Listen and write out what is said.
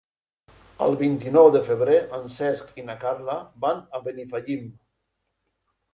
El vint-i-nou de febrer en Cesc i na Carla van a Benifallim.